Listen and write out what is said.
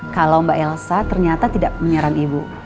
kalau mbak elsa ternyata tidak menyerang ibu